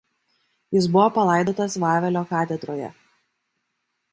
Jis buvo palaidotas Vavelio katedroje.